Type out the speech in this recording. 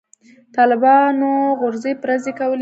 طالبانو غورځې پرځې کولې.